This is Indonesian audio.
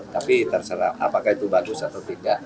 tapi terserah apakah itu bagus atau tidak